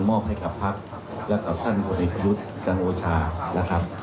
มอบให้กับพรรคและกับท่านผลิตฤทธิ์จังโอชานะครับ